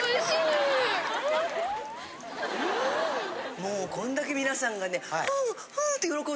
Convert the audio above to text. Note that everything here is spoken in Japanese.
・もうこんだけ皆さんがねふん